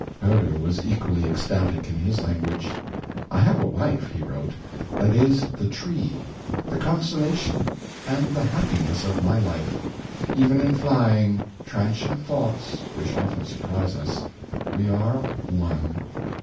Herder was equally ecstatic in his language. ^^ I have a wife," he wrote, " that is the tree, the consolation, and the happiness of my life. Even in flying, transient thoughts (which often surprise us), we are one."